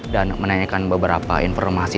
dan menanyakan beberapa informasi